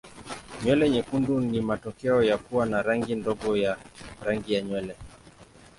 Nywele nyekundu ni matokeo ya kuwa na rangi ndogo ya rangi ya nywele.